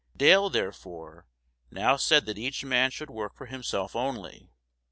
Dale, therefore, now said that each man should work for himself only.